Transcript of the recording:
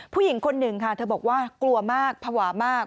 ผู้หญิงคนหนึ่งค่ะเธอบอกว่ากลัวมากภาวะมาก